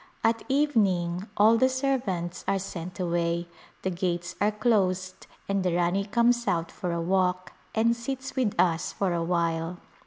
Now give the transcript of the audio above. At evening all the servants are sent away, the gates are closed and the Rani comes out for a walk, and sits with us for a while.